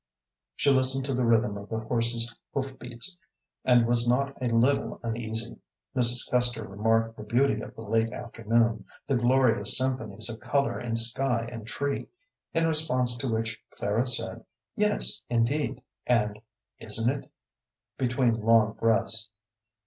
She listened to the rhythm of the horse's hoof beats, and was not a little uneasy. Mrs. Custer remarked the beauty of the late afternoon, the glorious symphonies of color in sky and tree, in response to which Clara said, "Yes, indeed," and, "Isn't it?" between long breaths.